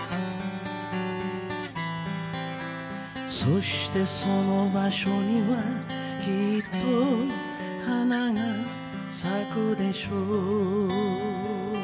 「そしてその場所にはきっと花が咲くでしょう」